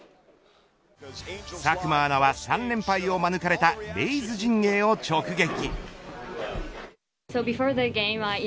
佐久間アナは３連敗を免れたレイズ陣営を直撃。